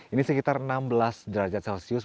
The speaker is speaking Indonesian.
ini sekitar enam belas derajat celcius